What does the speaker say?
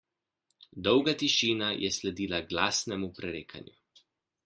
Dolga tišina je sledila glasnemu prerekanju.